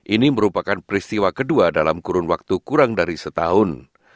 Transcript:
ini merupakan peristiwa kedua dalam kurun waktu kurang dari setahun